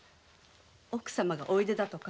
奥様がおいでだとか。